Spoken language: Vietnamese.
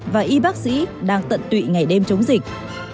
và y bác sĩ đang tận tụy ngày đêm chống dịch